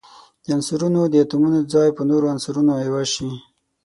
د عنصرونو د اتومونو ځای په نورو عنصرونو عوض شي.